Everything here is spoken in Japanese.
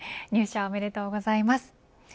入社おめでとうございます。